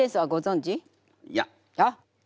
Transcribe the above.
いや。いや？